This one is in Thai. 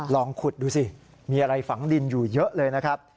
ลองขุดดูสิมีอะไรฝังดินอยู่เยอะเลยนะครับ